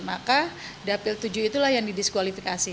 maka dapil tujuh itulah yang didiskualifikasi